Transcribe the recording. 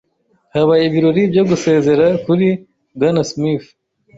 Habaye ibirori byo gusezera kuri Bwana Smith.